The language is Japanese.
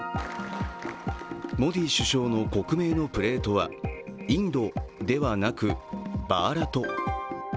モディ首相の国名のプレートはインドではなくバーラト。